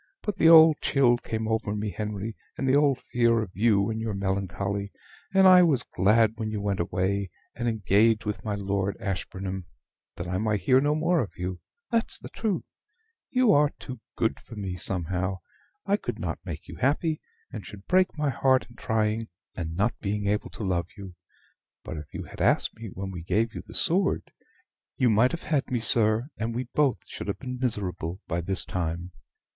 But the old chill came over me, Henry, and the old fear of you and your melancholy; and I was glad when you went away, and engaged with my Lord Ashburnham, that I might hear no more of you, that's the truth. You are too good for me, somehow. I could not make you happy, and should break my heart in trying, and not being able to love you. But if you had asked me when we gave you the sword, you might have had me, sir, and we both should have been miserable by this time.